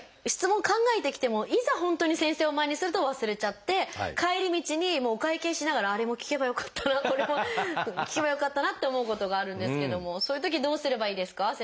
質問を考えてきてもいざ本当に先生を前にすると忘れちゃって帰り道にお会計しながら「あれも聞けばよかったなこれも聞けばよかったな」って思うことがあるんですけどもそういうときどうすればいいですか？